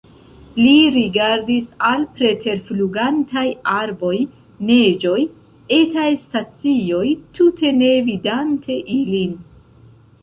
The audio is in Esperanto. Li rigardis al preterflugantaj arboj, neĝoj, etaj stacioj, tute ne vidante ilin.